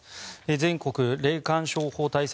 全国霊感商法対策